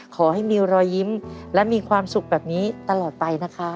ขอให้มีรอยยิ้มและมีความสุขแบบนี้ตลอดไปนะคะ